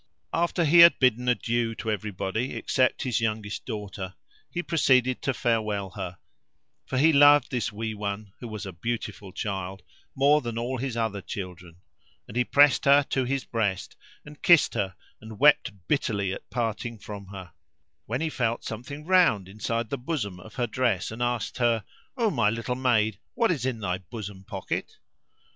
After he had bidden adieu to everybody except his youngest daughter, he proceeded to farewell her; for he loved this wee one, who was a beautiful child, more than all his other children; and he pressed her to his breast and kissed her and wept bitterly at parting from her; when he felt something round inside the bosom of her dress and asked her, "O my little maid, what is in thy bosom pocket?"